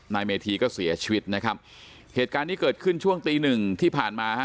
นายเมธีก็เสียชีวิตนะครับเหตุการณ์นี้เกิดขึ้นช่วงตีหนึ่งที่ผ่านมาฮะ